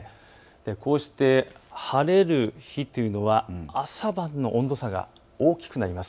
こうして晴れる日というのは朝晩の温度差が大きくなります。